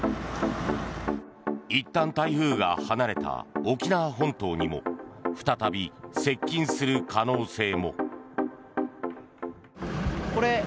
いったん台風が離れた沖縄本島にも再び接近する可能性も。